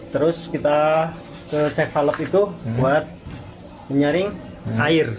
terus kita ke cek valog itu buat menyaring air